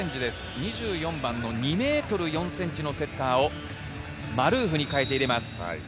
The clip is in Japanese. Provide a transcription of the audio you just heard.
２４番の２ｍ４ｃｍのセッターをマルーフに代えて入れます。